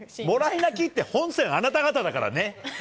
もらい泣きって本線、あなた方だからね。